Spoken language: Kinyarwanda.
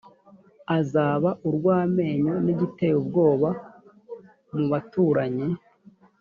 azaba urw amenyo n igiteye ubwoba mu baturanyi